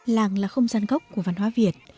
làng là không gian gốc của văn hóa việt